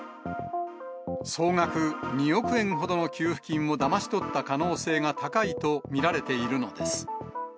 総額２億円ほどの給付金をだまし取った可能性が高いと見られているのです。